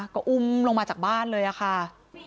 ก็อุ้มลงมาจากบ้านเลยค่ะ